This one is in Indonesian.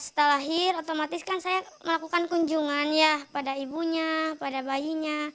setelah lahir otomatis kan saya melakukan kunjungan ya pada ibunya pada bayinya